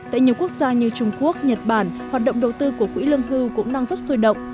tại nhiều quốc gia như trung quốc nhật bản hoạt động đầu tư của quỹ lương hưu cũng đang rất sôi động